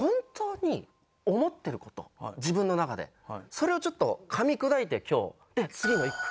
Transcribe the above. それをちょっとかみ砕いて今日次の一句。